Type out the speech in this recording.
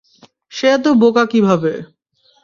সে এত বোকা কীভাবে?